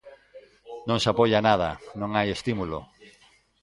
Non se apoia nada, non hai estímulo.